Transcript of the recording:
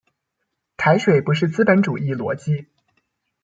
台水不是資本主義邏輯